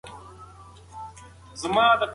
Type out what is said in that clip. ځینې ماشومان غواړي معلم شي.